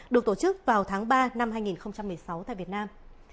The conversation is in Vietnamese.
được tổ chức vào tháng ba năm hai nghìn một mươi sáu tại việt nam